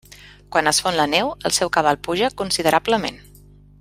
Quan es fon la neu el seu cabal puja considerablement.